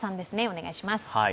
お願いします。